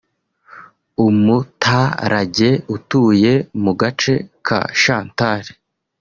Umutarage utuye mu gace ka Chantal